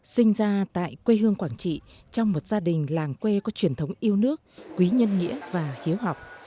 sinh ra tại quê hương quảng trị trong một gia đình làng quê có truyền thống yêu nước quý nhân nghĩa và hiếu học